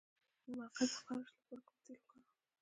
د مقعد د خارش لپاره کوم تېل وکاروم؟